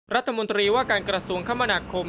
รัฐมนตรีว่าการกระทรวงคมนาคม